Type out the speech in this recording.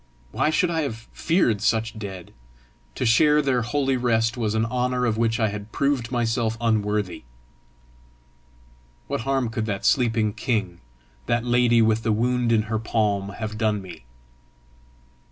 Why should I have feared such dead? To share their holy rest was an honour of which I had proved myself unworthy! What harm could that sleeping king, that lady with the wound in her palm, have done me?